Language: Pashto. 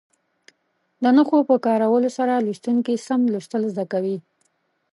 د نښو په کارولو سره لوستونکي سم لوستل زده کوي.